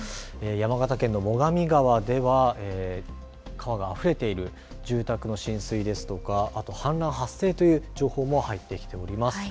山形県の最上川では川があふれている住宅の浸水ですとか氾濫発生という情報も入ってきています。